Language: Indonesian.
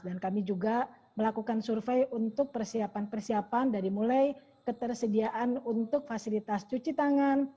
dan kami juga melakukan survei untuk persiapan persiapan dari mulai ketersediaan untuk fasilitas cuci tangan